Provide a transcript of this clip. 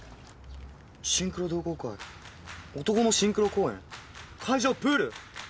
「シンクロ同好会男のシンクロ公演会場プール」